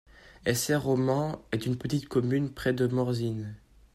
Essert-Romand est une petite commune près de Morzine.